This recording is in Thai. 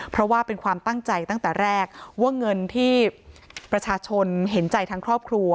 เพราะว่าเป็นความตั้งใจตั้งแต่แรกว่าเงินที่ประชาชนเห็นใจทั้งครอบครัว